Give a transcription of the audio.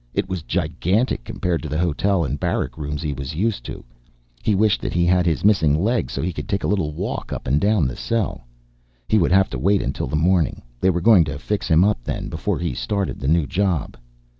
It was gigantic compared to the hotel and barrack rooms he was used to. He wished that he had his missing legs so he could take a little walk up and down the cell. He would have to wait until the morning. They were going to fix him up then before he started the new job.